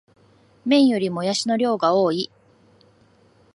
麺よりもやしの量が多い